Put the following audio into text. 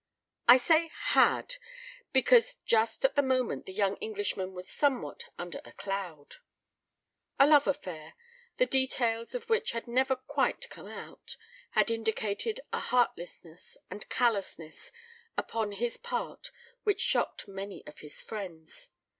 I say "had," because just at the moment the young Englishman was somewhat under a cloud. A love affair, the details of which had never quite come out, had indicated a heartlessness and callousness upon his part which shocked many of his friends.